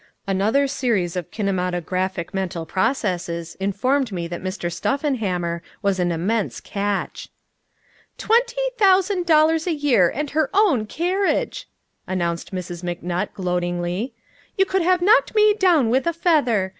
Another series of kinematographic mental processes informed me that Mr. Stuffenhammer was an immense catch. "Twenty thousand dollars a year, and her own carriage," continued Mrs. McNutt gloatingly. "You could have knocked me down with a feather.